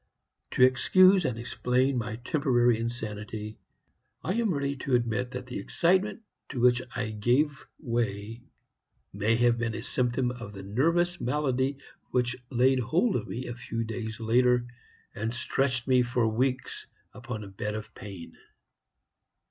To excuse and explain my temporary insanity, I am ready to admit that the excitement to which I gave way may have been a symptom of the nervous malady which laid hold of me a few days later, and stretched me for weeks upon a bed of pain.